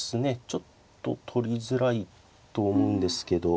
ちょっと取りづらいと思うんですけど。